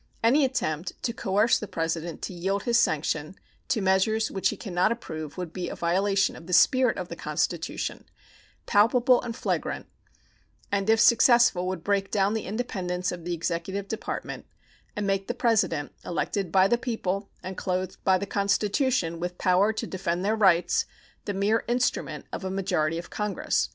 Any attempt to coerce the President to yield his sanction to measures which he can not approve would be a violation of the spirit of the Constitution, palpable and flagrant, and if successful would break down the independence of the executive department and make the President, elected by the people and clothed by the Constitution with power to defend their rights, the mere instrument of a majority of Congress.